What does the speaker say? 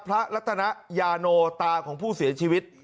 รัตนยาโนตาของผู้เสียชีวิต